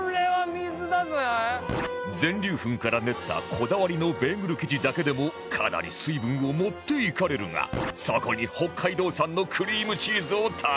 全粒粉から練ったこだわりのベーグル生地だけでもかなり水分を持っていかれるがそこに北海道産のクリームチーズをたっぷり